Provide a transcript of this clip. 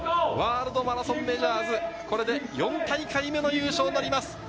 ワールドマラソンメジャーズ、これで４大会目の優勝になります。